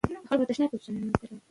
کارونه باید د بل چا حق ونه ځپي.